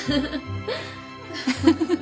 フフフ。